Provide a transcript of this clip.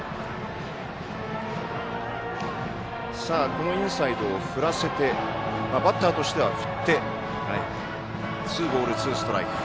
このインサイドを振らせてバッターとしては振ってツーボール、ツーストライク。